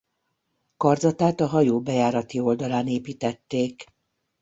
Karzatát a hajó bejárati oldalán építették.